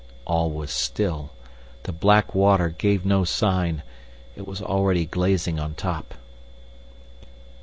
All was still. The black water gave no sign; it was already glazing on top.